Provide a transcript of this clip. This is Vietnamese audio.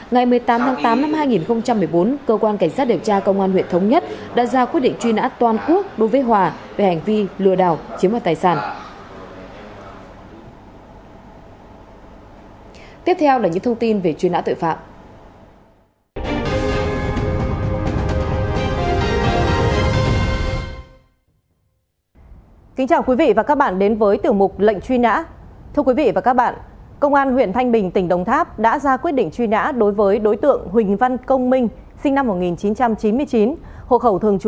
ngày một mươi tám tháng tám năm hai nghìn một mươi bốn cơ quan cảnh sát điều tra công an huyện thống nhất đã ra quyết định truy nã toàn quốc đối với hòa về hành vi lừa đảo chiếm hoạt tài sản